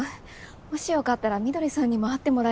もしよかったら翠さんにも会ってもらえると。